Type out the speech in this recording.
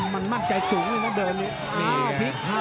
มันมั่นใจสูงด้วยเมื่อเดิมนี้